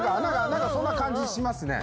何かそんな感じしますね。